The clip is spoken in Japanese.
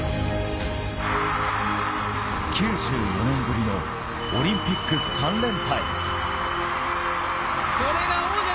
９４年ぶりのオリンピック３連覇へ。